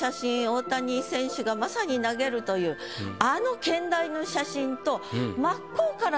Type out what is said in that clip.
大谷選手がまさに投げるというあの兼題の写真と。